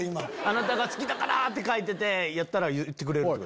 「あなたが好きだから」って書いてたら言ってくれるんや。